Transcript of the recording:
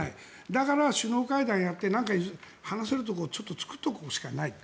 だから首脳会談をやって話せるところをちょっと作っておくしかない。